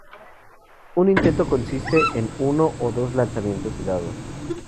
Un intento consiste en uno o dos lanzamientos de dados.